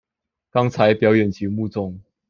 剛才表演節目中